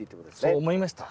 そう思いました。